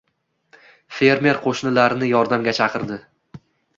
Fermer qoʻshnilarini yordamga chaqirdi